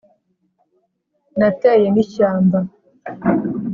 Nateye n'ishyamba